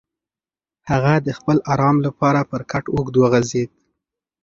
هغه د خپل ارام لپاره پر کټ اوږد وغځېد.